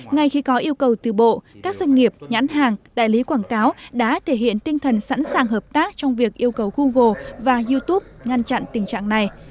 ngay khi có yêu cầu từ bộ các doanh nghiệp nhãn hàng đại lý quảng cáo đã thể hiện tinh thần sẵn sàng hợp tác trong việc yêu cầu google và youtube ngăn chặn tình trạng này